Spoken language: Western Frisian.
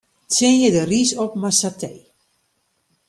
Tsjinje de rys op mei satee.